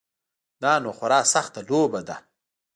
دا نو خورا سخته لوبه ده.